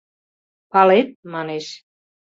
Палет? — манеш.